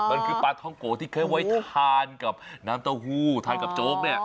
มันคือปลาท้องโกะที่เคยไว้ทานกับน้ำเต้าหู้ทานกับโจ๊กเนี่ย